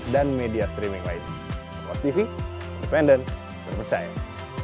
saya rasa tidak ada masalah